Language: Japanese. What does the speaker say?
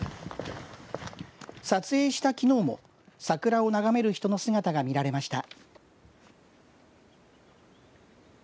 撮影したきのうも桜を眺める人の姿が見られました。